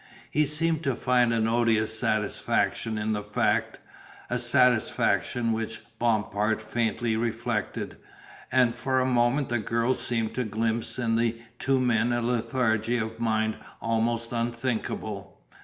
He seemed to find an odious satisfaction in the fact, a satisfaction which Bompard faintly reflected, and for a moment the girl seemed to glimpse in the two men a lethargy of mind almost unthinkable.